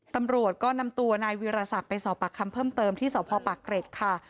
ตำรวจก็นำตัวนายวิรสักไปสอบปากคำเพิ่มเติมที่สพปากเกร็ดค่ะ